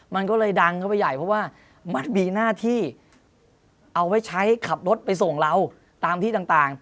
มันก็เลยดังเข้าไปใหญ่เพราะว่ามันมีหน้าที่เอาไว้ใช้ขับรถไปส่งเราตามที่ต่าง